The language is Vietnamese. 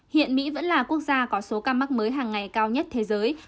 hiện mỹ vẫn là quốc gia có số ca mắc mới hàng ngày cao nhất thế giới